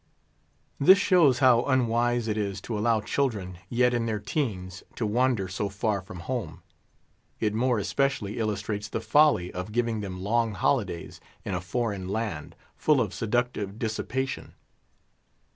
This shows how unwise it is to allow children yet in their teens to wander so far from home. It more especially illustrates the folly of giving them long holidays in a foreign land, full of seductive dissipation.